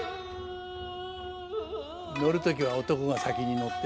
乗る時は男が先に乗って。